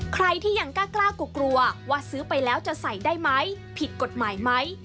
ใครที่ยังกล้ากลัวว่าซื้อไปแล้วจะใส่ได้ไหมผิดกฎหมายไหม